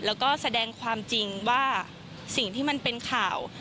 แล้วก็แสดงความจริงว่าสิ่งที่มันเป็นข่าว